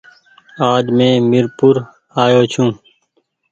آج مينٚ مير پور آ يو ڇوٚنٚ